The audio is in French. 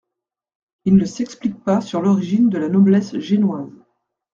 Il ne s'explique pas sur l'origine de la noblesse génoise.